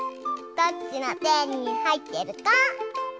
どっちのてにはいってるか？